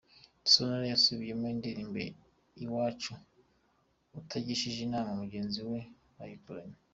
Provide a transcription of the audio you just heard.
Sentore yasubiyemo indirimbo Iwacu atagishije inama mugenzi we bayikoranye